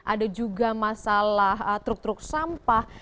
ada juga masalah truk truk sampah